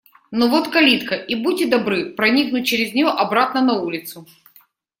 Но вот калитка. И будьте добры проникнуть через нее обратно на улицу.